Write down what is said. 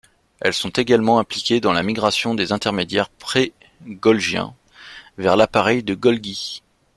Elles sont également impliquées dans la migration des intermédiaires prégolgiens vers l'appareil de Golgi.